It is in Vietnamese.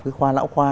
cái khoa lão khoa